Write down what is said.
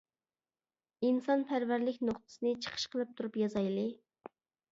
ئىنسانپەرۋەرلىك نۇقتىسىنى چىقىش قىلىپ تۇرۇپ يازايلى!